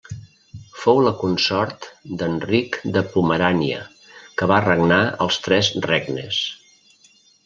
Fou la consort d'Eric de Pomerània, que va regnar als tres regnes.